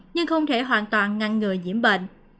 nhưng không thể hoàn toàn ngăn người nhiễm bệnh